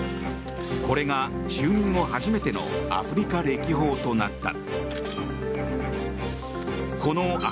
これが就任後初めてのアフリカ歴訪となった。